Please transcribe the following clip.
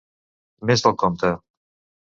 Més del compte.